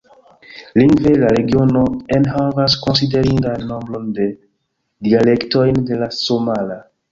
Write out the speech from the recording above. Lingve, la regiono enhavas konsiderindan nombron de dialektojn de la somala.